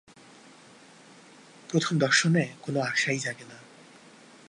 প্রথম দর্শনে কোন আশাই জাগে না।